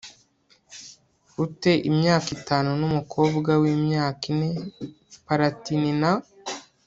u te imyaka itanu n umukobwa w imyaka ine Palatin na